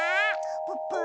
プップー。